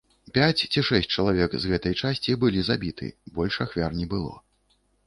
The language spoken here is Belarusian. Пяць ці шэсць чалавек з гэтай часці былі забіты, больш ахвяр не было.